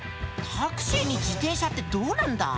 タクシーに自転車ってどうなんだ？